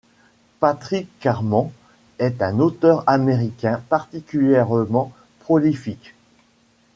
Patrick Carman est un auteur américain particulièrement prolifique.